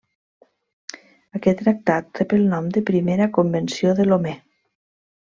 Aquest tractat rep el nom de primera Convenció de Lomé.